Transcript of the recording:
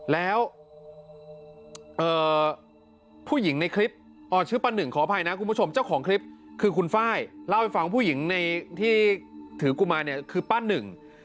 แล้วผู้หญิงในคลิปอ๋อชื่อป้าหนึ่งขออภัยนะคุณผู้ชมเจ้าของคลิปคือคุณไฟล์เล่าให้ฟังผู้หญิงในที่ถือกุมารเนี่ยคือป้าหนึ่ง